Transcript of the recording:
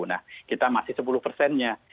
nah kita masih sepuluh persennya